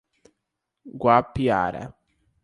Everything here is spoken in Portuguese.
Guapiara